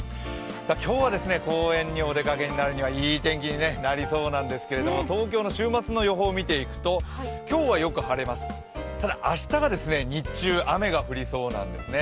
今日は公園にお出かけになるにはいい天気になりそうなんですけれども東京の週末の予報を見ていくと今日はよく晴れます、ただ明日が日中、雨が降りそうなんです